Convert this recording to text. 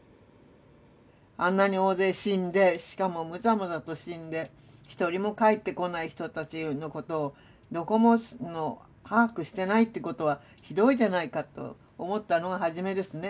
あんなに大勢死んでしかもむざむざと死んで一人も帰ってこない人たちのことをどこも把握してないってことはひどいじゃないかと思ったのがはじめですね。